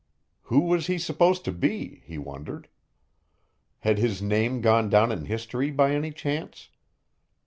Who was he supposed to be? he wondered. Had his name gone down in history by any chance?